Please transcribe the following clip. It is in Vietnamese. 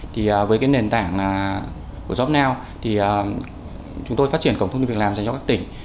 thì với cái nền tảng của jobnow thì chúng tôi phát triển cổng thông tin việc làm dành cho các tỉnh